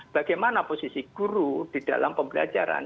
bagaimana posisi guru di dalam pembelajaran